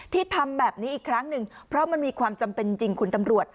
ทำแบบนี้อีกครั้งหนึ่งเพราะมันมีความจำเป็นจริงคุณตำรวจ